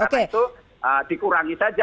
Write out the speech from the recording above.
karena itu dikurangi saja